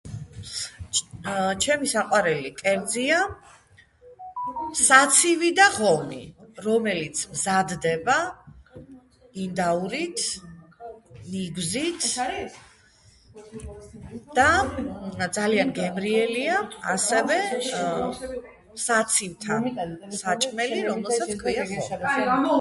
ჩემი საყვარელი კერძია საცივი და ღომი რომელიც მზადდება ინდაურით ნიგვზით და ძალიან გემრიელია ასევე საცივთან საჭმელი რომელსაც ქვია ღომი